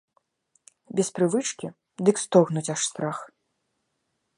Без прывычкі, дык стогнуць, аж страх!